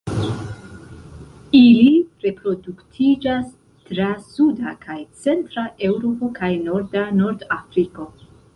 Ili reproduktiĝas tra suda kaj centra Eŭropo kaj norda Nordafriko.